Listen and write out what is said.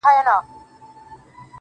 دا کار حرام دی او، دا بل حلال دي وکړ~